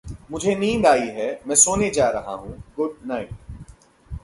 मुझे नींद आई है। मैं सोने जा रहा हूं। Good night.